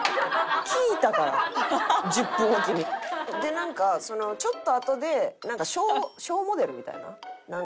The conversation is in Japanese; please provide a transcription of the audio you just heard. なんかちょっとあとでショーモデルみたいな？